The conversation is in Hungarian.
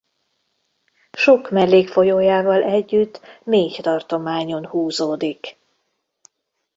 Sok mellékfolyójával együtt négy tartományon húzódik.